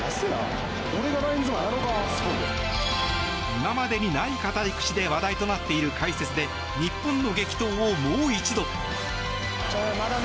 今までにない語り口で話題となっている解説で日本の激闘を、もう一度！